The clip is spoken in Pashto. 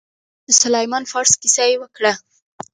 د حضرت سلمان فارس كيسه يې وكړه.